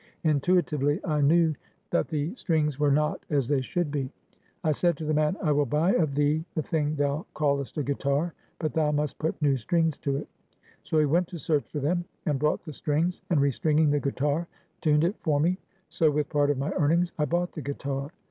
Intuitively, I knew that the strings were not as they should be. I said to the man I will buy of thee the thing thou callest a guitar. But thou must put new strings to it. So he went to search for them; and brought the strings, and restringing the guitar, tuned it for me. So with part of my earnings I bought the guitar.